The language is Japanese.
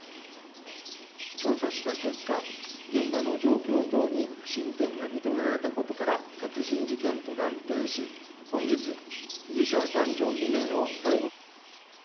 調査した結果、現場の状況等に不審点が認められたことから、殺人事件と断定し、本日、被疑者男女２名を逮捕。